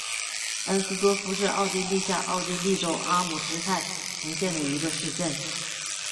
恩斯多夫是奥地利下奥地利州阿姆施泰滕县的一个市镇。